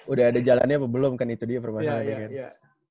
udah ada jalannya apa belum kan itu dia permasalahannya